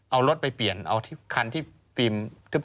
เอารถไปเปลี่ยนเอาคันที่ฟิล์มทึบ